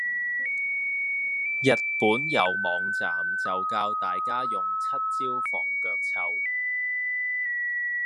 日本有網站就教大家用七招防腳臭